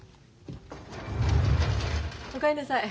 お帰りなさい。